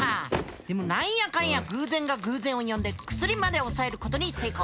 でも何やかんや偶然が偶然を呼んで薬まで押さえることに成功。